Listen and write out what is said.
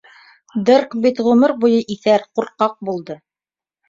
Дэрк бит ғүмер буйы иҫәр, ҡурҡаҡ булды.